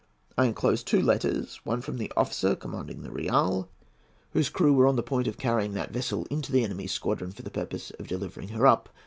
I enclose two letters, one from the officer commanding the Real, whose crew were on the point of carrying that vessel into the enemy's squadron for the purpose of delivering her up.